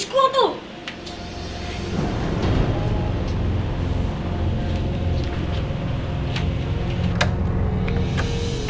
sama gue juga